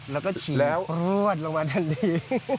แล้วก็ฉีดแล้วรวดลงมาทันที